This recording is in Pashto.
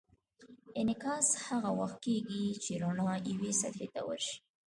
انعکاس هغه وخت کېږي چې رڼا یوې سطحې ته ورشي.